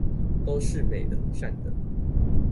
都是美的善的